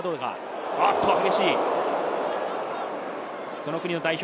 その国の代表。